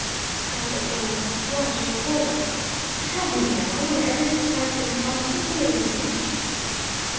cried the girl, white with horror. "Tell him now, when everything has been comfortably arranged?"